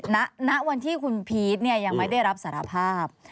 ณวันที่คุณพีชยังไม่ได้รับสารภาพ